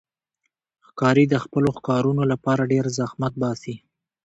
ښکاري د خپلو ښکارونو لپاره ډېر زحمت باسي.